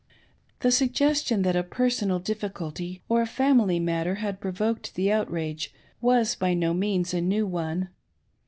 The suggestion that a personal difficulty or a family matter had provoked the outrage was by no means a new one.